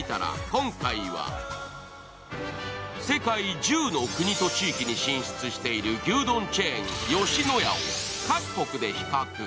今回は世界１０の国と地域に進出している牛丼チェーン吉野家を各国で比較。